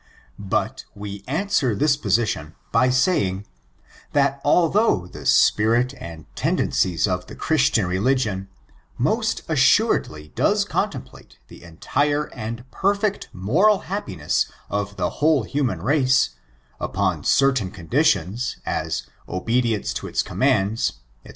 307 But^ WB answer this positioD, by saying, that, al though the spirit and tendencies of tfie Christian relig ion most assuredly does contemplate the entire anci per£sct moral happiness of the whole human race^ upon certain amdiiions, as obedience to its commands, &C.